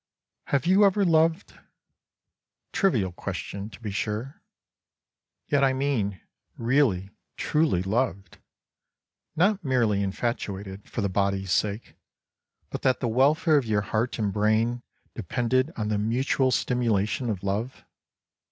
20 Have you ever loved — trivial question to be sure — yet I mean, really, truly loved, not merely infatuated for the body's sake, but that the welfare of your heart and brain depend ed on the mutual stimulation of love